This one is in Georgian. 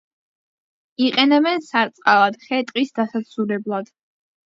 იყენებენ სარწყავად, ხე-ტყის დასაცურებლად.